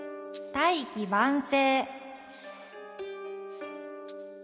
「大器晩成」。